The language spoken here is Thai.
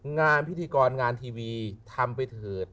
งานพิธีกรงานทีวีทำไปเถิด